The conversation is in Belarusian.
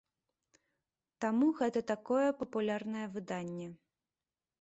Таму гэта такое папулярнае выданне.